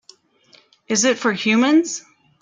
Is it for humans?